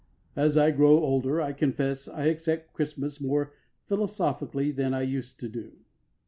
As I grow older, I confess, I accept Christmas more philosophically than I used to do.